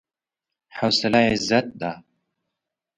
حوصله عزت ده.